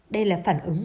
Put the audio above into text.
đây là phản ứng